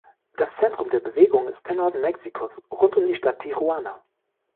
Das Zentrum der Bewegung ist der Norden Mexikos rund um die Stadt Tijuana.